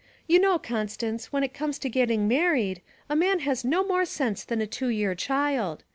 'You know, Constance, when it comes to getting married, a man has no more sense than a two year child.